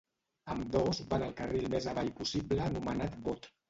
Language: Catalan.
Ambdós van al carril més avall possible anomenat Bot.